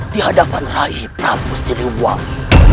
di hadapan raih prabu siliwang